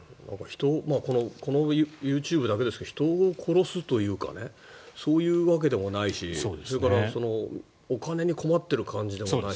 このＹｏｕＴｕｂｅだけですけど人を殺すというかそういうわけでもないしそれからお金に困ってる感じでもない。